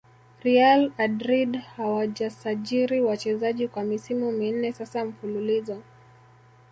real adrid hawajasajiri wachezaji kwa misimu minne sasa mfululizo